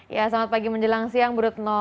ya selamat pagi menjelang siang bu retno